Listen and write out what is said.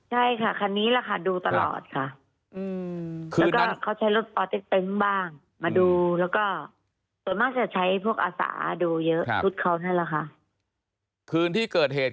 ใช่ค่ะคันนี้ล่ะค่ะดูตลอดค่ะ